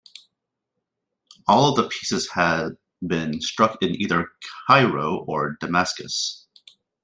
All of the pieces had been struck in either Cairo or Damascus.